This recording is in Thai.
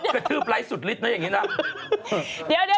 กระทืบไร้สุดลิตนะอย่างนี้นะ